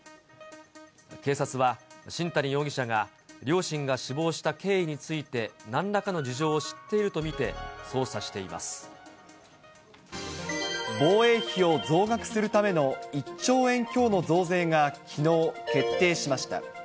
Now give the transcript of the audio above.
警察は、新谷容疑者が両親が死亡した経緯について、なんらかの事情を知っ防衛費を増額するための１兆円強の増税がきのう、決定しました。